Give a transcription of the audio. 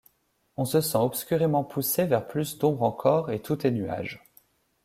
On se sent obscurément poussé vers plus d’ombre encore, et tout est nuage.